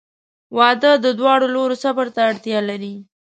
• واده د دواړو لورو صبر ته اړتیا لري.